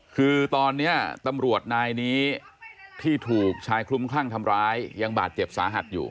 คือตอนนี้ตำรวจนายนี้ที่ถูกชายคลุ้มคลั่งทำร้ายยังบาดเจ็บสาหัสอยู่